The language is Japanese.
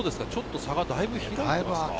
差がだいぶ開いていますか？